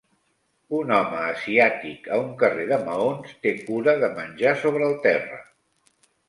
Un home asiàtic a un carrer de maons té cura de menjar sobre el terra.